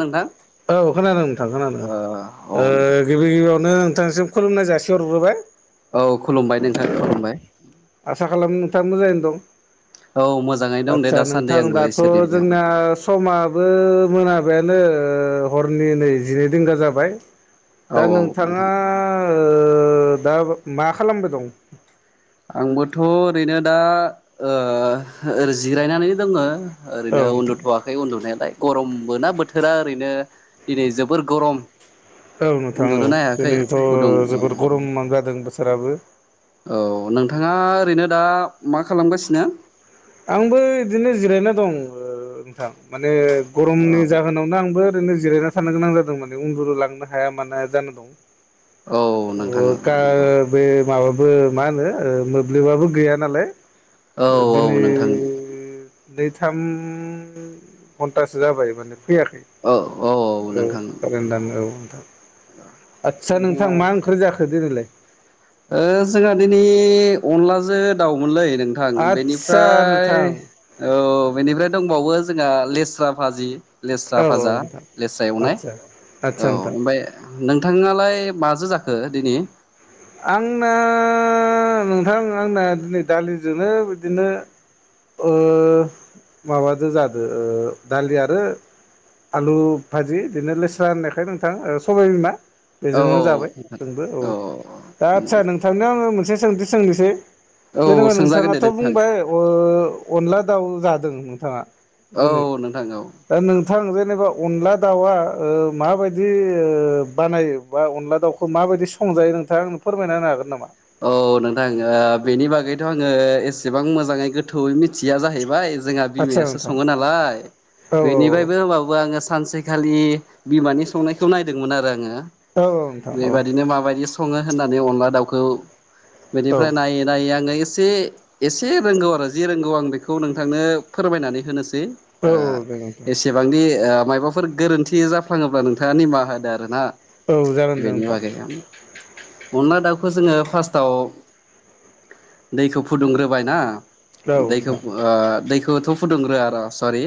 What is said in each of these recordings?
नोंथां औ खोनादो नोथां खोनादो। औ ओ नोंथां गिबि गिबियावनो थांसिम खुुलुमनाय जासि हरग्रोबाय। औ खुलुमबाय नोंथां खुलुमबाय। आसा खालामो नोंथाङा मोजाङैनो दं। औ मोजाङै दं दे आदसा दासान्दि नोंथां आंबो दाथ' इसोरनि अननायाव जोंना समाबो मोनाबायानो ओ हरनि नै जिनै रिंगा जाबाय। दा औ नोंथां नोंथाङा ओ दा मा खालामबाय दं? आंबोथ' ओरैनो दा ओ ओ जिरायनानैनो दोङो। औ ओरैनो नोंथां उन्दुथ'वाखै उन्दुनायालाय। गरमबो ना बोथोरा ओरैनो दिनै जोबोर गरम। औ नोंथां औ। उन्दुनोनो हायाखै दोनैथ' गुदुं जोबोर गरमां जादों बोथोराबो। औ नोंथाङा ओरैनो दा मा खालामगासिनो? आंबो इदिनो जिरायना दं ओ नोंथां। माने औ गरमनि जाहोनावनो आंबो ओरैनो जिरायना थानो गोनां जादों माने उन्दुुनो लांनो हाया मानो हाया जाना दं। औ नोंथां ओ गा नंगौ बे माबाबो मा होनो ओ मोब्लिबाबो गैया नालाय। औ औ नोंथां। नैथाम घन्टासो जाबाय माने फैयाखै औ औ औ नोंथां [unintelligible] औ नंगौ नोथां। आतसा नोंथां नोंथाङा मा ओंख्रै जाखो दिनैलाय? ओ जोंहा दिनै अनलाजो दाउमोनलै नोंथां। आदसा बेनिफ्राय नोंथां औ बेनिफ्राय दंबावो जोंहा लेस्रा भाजि औ लेस्रा भाजा नोंथां लेस्रा एवनाय। आदसा आदसा औ नोंथां ओमफाय नोंथाङालाय माजो जाखो दिनि? आंना नोंथां आंना दिनै दालिजोनो बिदिनो ओ माबादो जादो ओ दालि आरो आलु भाजि दिनो लेस्रा होननायखाय नोंथां ओ सबाय बिमा बेजोंनो जाबाय जोंबो औ। दा आदसा नोंथांनियाव आङो मोनसे सोंथि सोंनोसै। औ जेनेबा सोंजागोन दे नोंथाङाथ' नोंथां बुंबाय ओ अनला दाउ जादों नोंथाङा। औ नोंथां औ। थां जेनेबा अनला दाउआ ओ माबायदि ओ बानायो बा अनला दाउखौ मा माबायदि संजायो नोंथाङा आंनो फोरमायना होनो हागोन नामा? औ नोंथां ओ बेनि बागैथ' आङो एसेबां मोजाङै गोथौयै मिथिया जाहैबाय। जोंहा आदसा बिमायासो नोंथां सङो नालाय। औ बेनिफायबो औ होमबाबो आङो सानसेखालि बिमानि संनायखौ नायदोंमोन आरो आङो। औ औ नोंथां औ बेबायदिनो माबायदि स सङो होननानै अनला दाउखौ औ बेनिफ्राय नायै नायै आङो एस से एसे रोंगौ आरो जि रोंगौ आं बिखौ नोंथांनो फोरमायनानै होनोस सै औ ओ औ दे नोंथां एसेबांदि ओ मायबाफोर गोरोन्थि जाफ्लाङोब्ला नोंथाङा निमाहा होदो आरो ना। औ जागोन दे बेनि नोंथां बागै आम अनदला दाउखौ जोङो फास्टाव दैखौ फुदुंग्रोबाय ना। औ दैखौ नोंथां ओ दैखौथ' फुदुंग्रोआ र' सरि।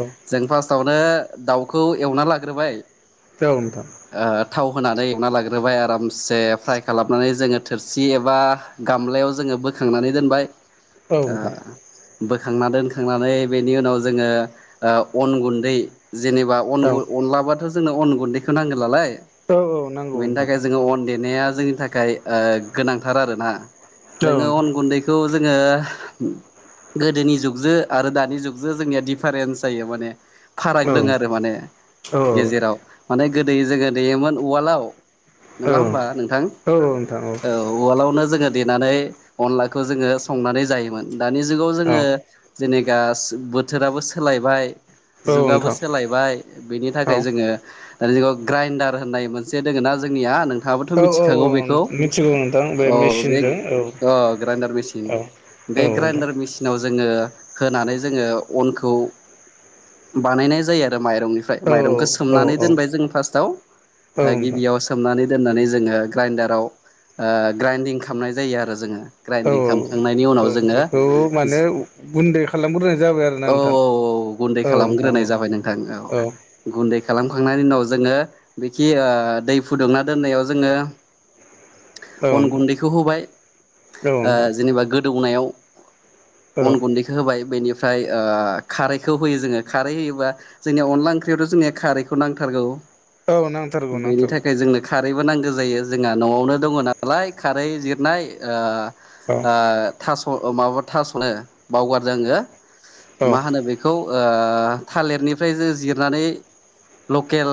औ जों फास टावनो दाउखौ एवना लाग्रोबाय। औ नोंथां। ओ थाव होनानै एवना लाग्रोबाय आरामसे फ्राय खालामनानै जोङो थोरसि एबा गामलायाव जोङो बोखांनानै दोनबाय। औ ओ नोंथां। बोखांना दोनखांनानै बेनि उनाव जोङो ओ अन गुन्दै जेनेबा अन औ अनलाबथ' जोंनो अन गुन्दैखौ नांगोन नालाय। औ औ नांगौ बेनि नोंथां थाखाय जोङो अन दे नाया जोंनि थाखाय गोनांथार आरोना औ जोङो अन गुन्दैखौ जोङो गोदोनि जुगजों आरो दानि जुगजों जोंनिया डिफारेन्स जायो माने फाराग नोंथां दं आरो माने औ गेजेराव माने गोदो जोङो देयोमोन उवालाव। औ नङा होमबा नोंथां औ नोंथां औ उवलावनो जोङो देनानै अनलाखौ जोङो संनानै जायोमोन दानि जुगाव औ जोङो जेनेखा बोथोराबो सोलायबाय। औ जुगाबो नोंथां सोलायबाय बेनि औ थाखाय जोङो दानि जुगाव ग्राइन्डार होननाय मोनसे दोङ ना जोंनिया नोंथाङाबोथ' औ औ मिथिखागौ बेखौ। औ मिथिगौ नोंथां बे औ बे मेचिनजों औ ग्राइडार मेचिन औ बे औ नोंथां ग्राइडार मेसिनाव जोङो होनानै जोङो अनखौ बानायनाय जायो। माइरंनिफ्राय औ माइरंखौ औ सोमनानै औ दोनबाय जों फास्ताव नोंथां गिबियाव सोमनानै दोननानै जोङो ग्राइनडाराव ग्राइन्दिं खालामनाय जायो आरो जोङो। औ ग्राइन्दिं खालामखांनायनि औ उनाव जोङो बेखौ माने गुन्दै खालामग्रोनाय जाबाय आरोना औ औ नोंथां औ गुन्दै औ नोंथां खालामग्रोनाय जाबाय नोंथां औ गुनदै खालाम खांनायनि उनाव जोङो बेखि दै फुदुंना दोननायाव जोङो अन नोंथां गुन्दैखौ होबाय औ ओ नोंथां जेनेबा गोदौनायाव अन गुन्दैखौ होबाय बेनि ओमफ्राय ओ खारैखौ होयो जोङो खारै होयोबा जोंनिया अनला ओंख्रियावथ' जोंनि खारैखौ नांथारगौ। औ नांथारगौ बेनि नांथारगौ थाखाय जोंनो खारैबो नांगौ। जायो जोंना न'आवनो दङ नालाय खारै जिरनाय ओ औ ओ थास'। ओ माबा थास'नो बावगारदो आङो औ मा होनो बेखौ। ओ थालिरनिफ्राय जो जिरनानै लकेल।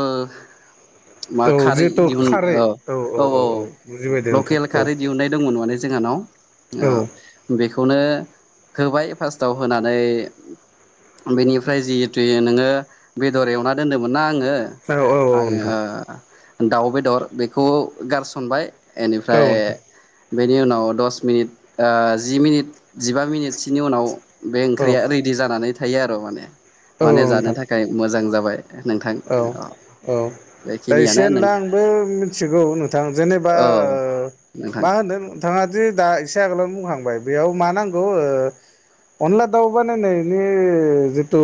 मा औ खारै जिहेथु दिहुन खारै औ औ। बुजिबाय दे नोंथां लकेल खारै औ दिहुननाय दंमोन माने जोंहानाव औ बेखौनो होबाय फार्स्टाव होनानै बेनिफ्राय जिहेतु नोङो बेदर एवना दोन्दोंमोन ना औ औ आङो नोंथां आङो दाउ बेदर बेखौ गारसनबाय औ एनिफ्राय नोंथां ओ। बेनि उनाव दस मिनिट ओ जि मिनिट जिबा मिनिटसोनि उनाव बे औ ओंख्रिया। रेडि जानानै थायो आरो माने औ माने जानो नोंथां थाखाय मोजां जाबाय नोंथां औ दा इसे बेखिनियानो नों एनला आंबो मिथिगौ नोंथां जेनेबा औ ओ नोंथां मा ओनो। बिथाङा दि दा एसे आगोलावनो बुंखांबाय बेयाव मा नांगौ ओ अनला दाउ बानायनायनि जितु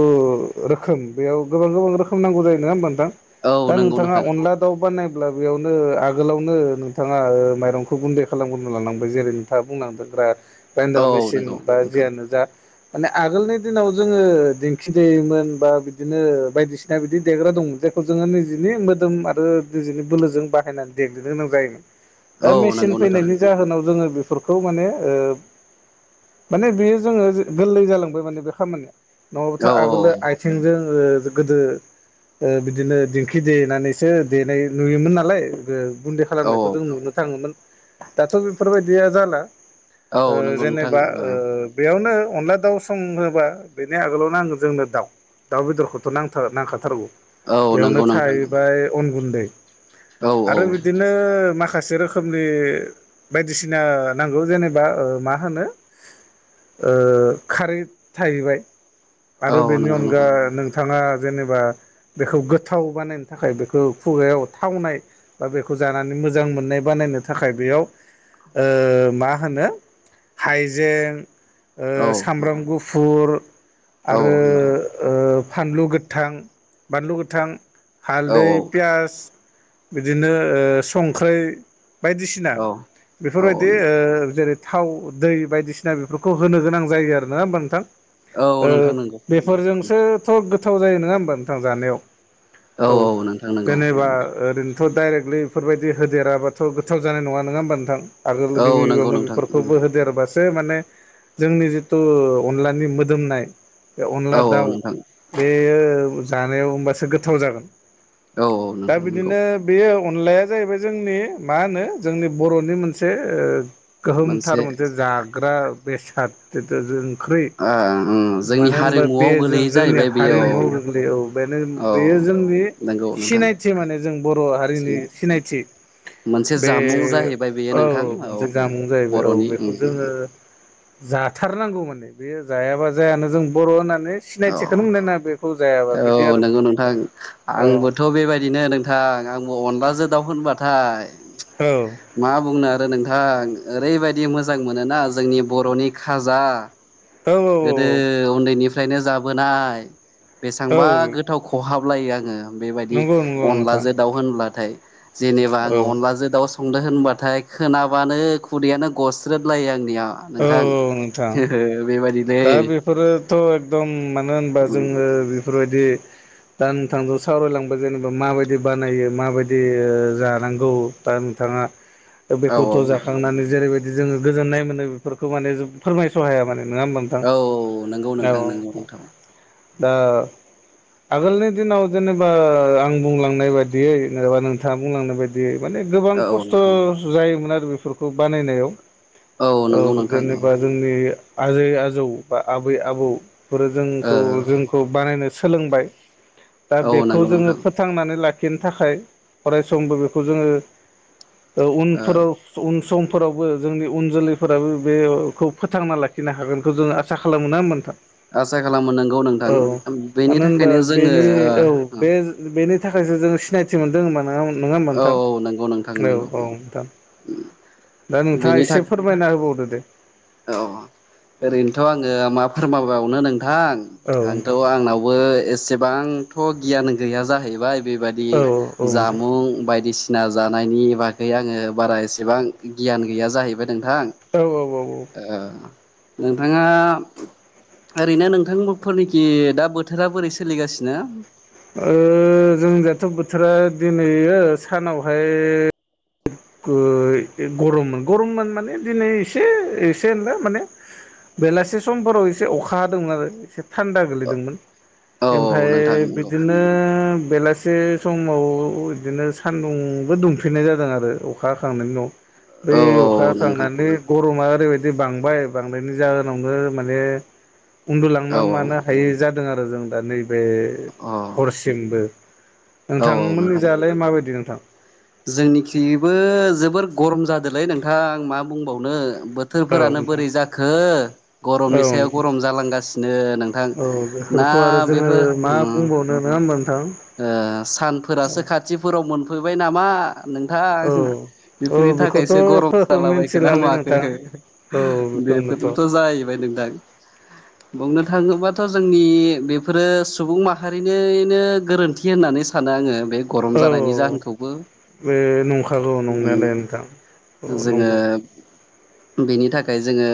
रोखोम बेयाव गोबां गोबां रोखोम नांगौ जायो। नोंङा ओमबा नोंथां? औ नोंगौ। नोंथांङा अनला दाव बानायब अब्ला बेयावनो आगोलावनो नोंथाङा ओ माइरंखौ गुन्दै खालामग्रोना लानांबाय जेरै नोंथाङा बुं ओ ब्राइनडार औ मेसिन नंगौ बा नोंथां जियानो जा माने आगोलनि दिनाव जोङो दिंखि देयोमोन बा बिदिनो बायदिसिना बिदि देग्रा दंमोन जे खौ जोङो निजिनि मोदोम आरो निजिनि बोलोजों बाहायनानै देग्लिनो गोनां जायोमोन। दा औ मेसिन नंगौ नोंथां फैनायनि जाहोनाव जोङो बेफोरखौ माने ओ माने बेयो जोङो गोल्लै जालांबाय माने बे खामानिया। नङाबथ' औ आगोलो आइथेंजों ओ गोदो ओ बिदिनो दिं खि देनानैसो देनाय नुयोमोन नालाय ओ गुन्दै औ खालामनायखौ जों नुनो थाङोमोन। दाथ' बेफोरबायदिया जाला। ओ औ नंगौ नोंथां जेनेबा ओ बेयावनो अनला दाउ सङोबा बेनि आगोलाव नांगोन जोंनो दाउ। दाउ बेदरखौथ' नांथार नांखाथारगौ। औ नोंगौ। साहैबाय अन गुन्दै औ आरो बिदिनो माख खासे रोखोमनि बायदिसिना नांगौ जेनेबा ओ मा होनो ओ खारै थाहैबाय। औ आरो बेनि नंगौ अनगा नोंथां नोंथाङा जेनेबा बेखौ गोद थाव बानायनो थाखाय बेखौ खुगायाव थावनाय बा बेखौ जानानै मोजां मोननाय बानायनो थाखाय बे बेयाव ओ मा होनो हाइजें ओ औ नोंथां सामब्राम गुफुर औ आरो नोंथां ओ फानलु गोथां बानलु गोथां औ हालदै पियास बिदिनो ओ संख्रै बायदिसिना औ बेफोरबायदि ओ जेरै थाव दै बायदिसिना बेफोरखौ होनो गोनां जायो आरो। नोङा होमबा नोंथां? औ औ ओ नोंथां नंगौ बेफोरजोंसोथ' गोथाव जायो। नोङा होमबा नोंथां जानायाव? औ जेनेबा ओरैन फोर' डाइरेक्टलि बेफोरबायदि होदेराबाथ' गोथाव जानाय नङा। नोङा होमबा नोंथां? आगोल गिबि औ नंगौ गिबियावनो नोंथां बेफोरखौबो होदेरबास सो माने जोंनि जिथु अनलानि मोदोमनाय बे अनला औ औ दाउ नोंथां बेयो जानायाव ओमबासो गोथाव जागोन। औ दा नोंथां नंगौ बिदिनो बेयाव अनलाया जाहैबाय जोंनि मा होनो जोंनि बर'नि मोनसे ओ। गोहोमथार मोनसे जाग्रा बेसाद जिथु जों ख्रि ओ उम जोंनि मानो होनबा बे हारिमुआव जों गोलैयो जाहैबाय बेयो औ [unintelligible] बेनो औ बेयो जोंनि नंगौ नोंथां सिनायथि माने जों बर' हारिनि सिनायथि। मोनसे बे जामुं जाहैबाय बेयो नोंथां औ मोनसे जामुं जाहैबाय औ बर'नि उम बेखौ जोङो जाथारनांगौ माने। बेयो जायाबा जायानो। जों बर' होनना नै औ सिनायथिखोनो मोननाय नोङा बेखौ जायाबा बिदि आरो माने। नोंथां थां औ आंबोथ' बेबायदिनो नोंथां। आंबो अनलाजो दाउ होनबाथाय औ मा बुंनो आरो नोंथां। ओरैबायदि मोजां मोनोना जोंनि बर'नि खाजा। औ गोदो उन्दैनिफ्रायनो जाबोनाय औ बेसांबा गोथाव खहाब लायो आङो बे बायदि नंगौ नंगौ नोंथां औ अनलाजो दाउ होनब्लाथाय। जेनेबा आङो औ अनलाजो दाउ संदो होनबाथाय खोनाबानो खुदैयानो गस्रोद लायो आं निआ नोंथां औ नोंथां [unintelligible] बेबायदि दा बेफोरोथ' एकदम मानो होनबा जोङो बिफोरबायदि दा नोंथांजों सावरायलांबाय जेनेबा माबायदि बानायो माबायदि ओ जानांगौ। दा थाङा ओ औ बेखौथ' जाखांनानै जेरैबायदि जोङो गोजोननाय मोनो बेफोरखौ माने जों फोरमायस' हाया माने। नोङा थां औ नंगौ नोंथां। नंगौ नोंथां दा आगोलनि दिनाव जेनेबा ओ आं बुंलांनाय बादियै जेनेबा नोंथाङा बुंलांनाय बायदियै माने गोबां औ औ खस्थ' नोंथां जायोमोन आरो बेफोरखौ बानायनायाव। औ नंगौ नोंथां जेनेबा जोंनि आजै आजौ बा आबै आबौफोर औ जोंखौ जोंखौ बानायनाय सोलोंबाय दा औ बेखौ नंगौ जोङो नोंथां फोथांनानै लाख खिन थाखाय अराय समबो बेखौ जोङो ओ उनफोराव उन सं फोरावबो जोंनि उन जोलैफोराबो बेखौ फोथांना लाखिनो हागोनखौ जोङो आसा खालामो। ना होमबा नोंथां? आसा खालामो नोंगौ नोंथां औ बेनि मानो होनबा थाखायनो जोङो बेनि औ बेज बेनि थाखायसो जों सिनायथि मोनदों होनबा नोङा नोङा होमबा ओ औ नोंथां? औ नंगौ नोंथां नंगौ औ औ नोंथां। दा नोंथाङा बेनि एसे थाखाय फोरमायना होबावदो दे। औ ओरैनोथ' आङो मा फोरमाबावनो नों थां औ आंथ' नोंथां आंनावबो एसेबांथ' गियान गैया जाहैबाय। बेबादि औ औ नोंथां जामुं बायदिसि ना जानायनि बागै आङो बारा एसेबां गियान गैया जाहैबाय नोंथां। औ औ औ औ। ओ नोंथाङा ओरैनो नोंथां मोफोनिखि दा बोथोरा बोरै सोलिगासिनो? ओ जोंजाथ' बोथोरा दिनैयो सानावहाय गुइ गरममोन गरममोन माने दिनै एसे एसे ओनला माने बेलासे समफोराव एसे अखा हादोंमोन आरो। एसे सान्दा गोलैदोंमोन। औ एमफाय नोंथां नंगौ बिदिनो बेलास से समाव इदिनो सानदुंबो दुंफिननाय जादों आरो अखा हाखांनायनि उनाव। बै औ औ अखा नोंथां हाखांनानै गरमा ओरैबायदि बांबाय बांनायनि जाहोनावनो माने उन्दुलांनो औ औ मानो हायै जाद दों आरो जों दा नैबे अ हरसिमबो औ नोंथां मोनिजालाय माबायदि नोंथां? जोंनिखिबो जोबोर गरम जादोलै नोंथां मा बुंबावनो। औ बोथोरफोरानो नोंथां। बोरै जाखो औ गरमनि सायाव नोंथां गरम जालांगासिनो नोंथां। औ ना बेफोरखौ आरो जोङो बेफोर मा उम बुंबावनो नङा होमबा नोंथां? ओ सानफोरासो खाथिफोराव मोनफैबाय नामा नोंथां। औ औ बेफोरनि बेखौथ' थाखायसो गरम जालाबायखोना मिथिलालै माखो नोंथां। औ बेखौनोथ' औ बेफोरथ' जाहैबाय नों थां बुंनो थाङोबाथ' जोंनि बेफोरो सुबुं माहारिनैनो गोरोन्थि होननानै सानो आङो। बे गरम औ जानायनि जाहोनखौबो बे नंखागौ उम। नंनायालाय नोंथां। औ जोङो नंगौ। बिनि थाखाय जोङो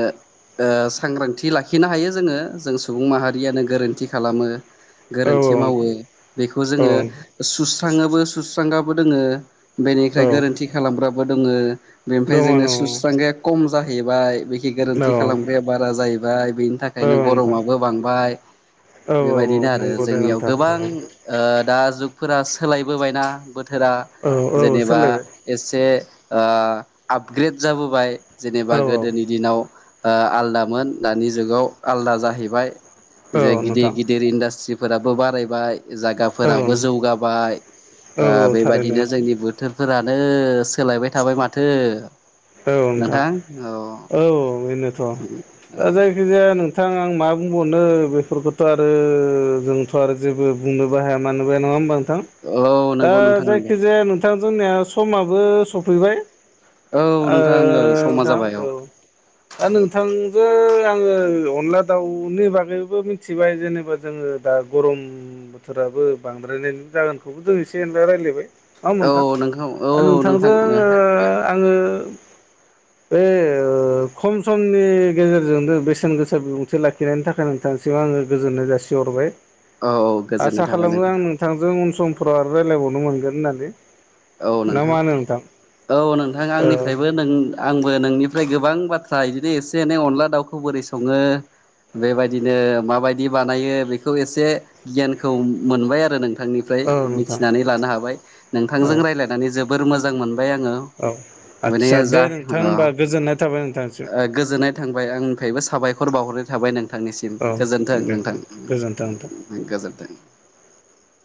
सांग्रांथि लाखिनो हायो जोङो जों सुबुं माहारियानो गोरोन्थि खालामो। औ गोरोन्थि मावो। बेखौ औ जोङो सुस्राङोबो सुस्रांगाबो दोङो। बेनिख्राय औ गोरोन्थि खालामग्राबो दोङो। बेनिफ्राय दङ जोंनो सुस्रांग्राया खम जाहैबाय। बे गि दङ गोरोन्थि औ खालामग्राया बारा जाहैबाय। बेनि औ थाखायनो नोंथां गरमाबो बांबाय औ औ औ बेबायदिनो आरो। नंगौ दे जोंनियाव नोंथां औ गोबां ओ दा जुगफोरा सोलायबोबायना बोथ थोरा औ औ जेनेबा सोलायबाय एसे ओ आपग्रेड जाबोबाय। जेनेबा औ गोदोनि दिनाव ओ आलदामोन दानि जुगाव आलदा जाहैबाय। औ बिजाय गिदिर नोंथां गिदिर इन्डास्ट्रिफोराबो बारायबाय। इ औ जागाफोराबो जौगाबाय औ ओ औ थारैनो बेबायादिनो जोंनि बोथोरफोरा नो सोलायबाय थाबाय माथो नोंथां। ओ औ बेनोथ' दा औ जायखिजाया नोंथां आं म बुंबनो बेफोरखोथ' आरो जोंथ' आरो जेबो बुंनोबो हाया मानोबो हाया। नङा होमबा? थां औ दा नंगौ नोंथां नंगौ जायखिजाया नोंथां जोंनिया समाबो सफैबाय। औ ओ नोंथां समा नोंथां जाबाय औ दा नोंथांजो आङो अनला दाउनि बागैबो मिनथिबाय जेनेबा जोङो दा गरम बोथोरा दाबो बांद्रायनाय जागोनखौबो जों एसे एनला रायलायबाय। नोङा होमबा औ नोंथां? औ ओ नोंथां नोंथांजों औ आङो आङो बे ओ खम समनि गेजेरजोंनो बेसेन गोसा बिबुंथि लाखिनायनि थाखाय नोंथां सो आङो गोजोन्नाय जासिहरबाय। औ आसा गोजोननाय थाबाय खालामो नोंथां आं नोंथांजों उन सम फोराव आरो रायलायबावनो मोनगोन होन्नानै। औ नोंथां औ नोंथां औ आंनिफ्रायबो नों आंबो नोंनिफ्राय गोबां बाथ्रा बिनो एसे एनै अनला दाउखौ बोरै सङो बेबायदिनो माबायदि बानायो बेखौ एसे गियानखौ मोनबाय आरो नोंथां नोंथांनिफ्राय औ नोंथां मिथिनानै लानो हाबाय औ नोंथांजों रायज्लायनानै जोबोर मोजां मोन आङो औ माने आदसा दे जा नोंथां होमबा गोजोननाय थाबाय नोंथांसिम गोजोननाय थांबाय आं निफ्रायबो साबायखर बावहरनाय थाबाय नोंथांनिसिम औ गोजोन्थों दे नोंथां गोजोन्थों नोंथां गोजोनथों [unintelligible]